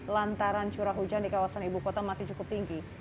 lantaran curah hujan di kawasan ibu kota masih cukup tinggi